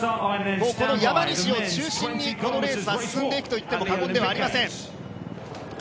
山西を中心に、このレースは進んでいくといっても過言ではありません。